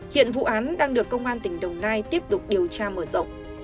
hiện vụ án đang được công an tỉnh đồng nai tiếp tục điều tra mở rộng